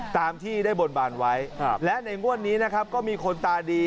ตามที่ได้บนบานไว้และในงวดนี้นะครับก็มีคนตาดี